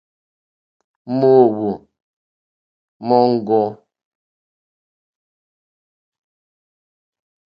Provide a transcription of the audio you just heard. Mòóhwò móŋɡô.